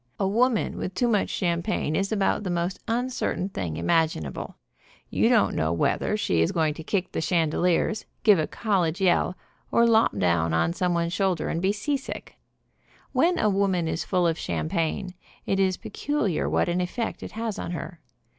A woman with too much champagne is about the most uncertain thing imaginable. You don't know whether she is going to kick the chandeliers, give a college yell, or lop down on some one's shoulder and be sea 40 THE WOMAN AND THE COCKTAIL sick. When a woman is full of champagne, it is pecu liar what an effect it has on her.